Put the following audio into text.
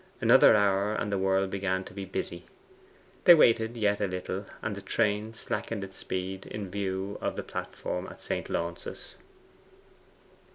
Another hour, and the world began to be busy. They waited yet a little, and the train slackened its speed in view of the platform at St. Launce's.